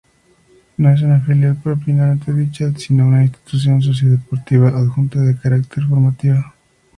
No es una filial propiamente dicha, sino una institución socio-deportiva adjunta, de carácter formativa.